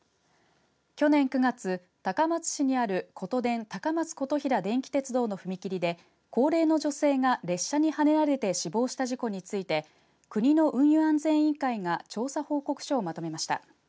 去年９月、高松市にあることでん高松琴平電気鉄道の踏切で高齢の女性が列車にはねられて死亡した事故について国の運輸安全委員会が調査報告書をまとめました。